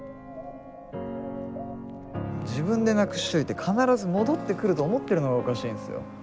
自分でなくしといて必ず戻ってくると思ってるのがおかしいんすよ。